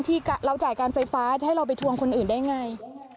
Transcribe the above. ที่เราจ่ายการไฟฟ้าจะให้เราไปทวงคนอื่นได้ไง